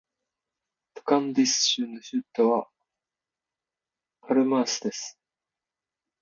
トカンティンス州の州都はパルマスである